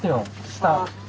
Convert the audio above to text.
下。